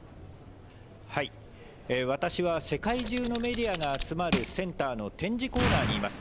私は、世界中のメディアが集まるセンターの展示コーナーにいます。